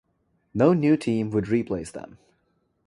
No new team would replace them.